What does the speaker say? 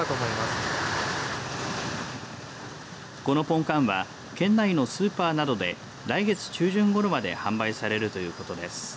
このぽんかんは県内のスーパーなどで来月中旬ごろまで販売されるということです。